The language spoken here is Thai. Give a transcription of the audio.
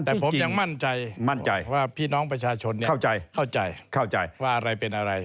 แต่ผมยังมั่นใจว่าพี่น้องประชาชนเข้าใจว่าอะไรเป็นอะไร